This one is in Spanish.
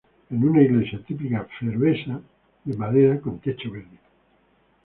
Es una iglesia típica feroesa de madera con techo verde.